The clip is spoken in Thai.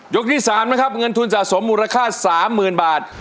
ยกที่สามนะครับเงินทุนสะสมมูลค่าสามหมื่นบาท